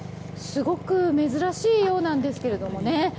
すごく珍しいようなんですけどもね。